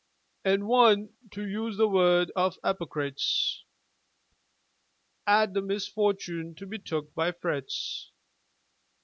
An' one, to use the word of 'ypocrites, 'Ad the misfortoon to be took by Fritz.